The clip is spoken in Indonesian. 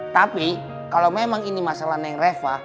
tapi kalo memang ini masalah neng reva